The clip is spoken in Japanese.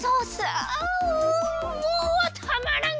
あもうたまらん！